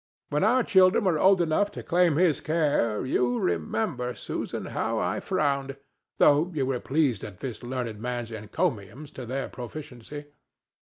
—When our children were old enough to claim his care, you remember, Susan, how I frowned, though you were pleased at this learned man's encomiums on their proficiency.